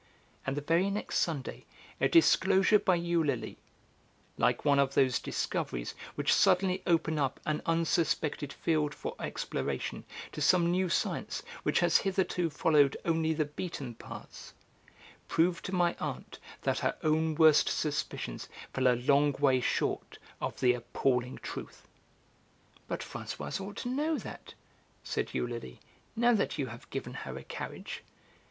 And the very next Sunday a disclosure by Eulalie like one of those discoveries which suddenly open up an unsuspected field for exploration to some new science which has hitherto followed only the beaten paths proved to my aunt that her own worst suspicions fell a long way short of the appalling truth. "But Françoise ought to know that," said Eulalie, "now that you have given her a carriage."